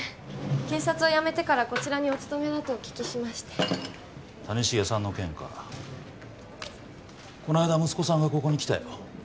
警察を辞めてからこちらにお勤めだとお聞きして谷繁さんの件かこないだ息子さんがここに来たよ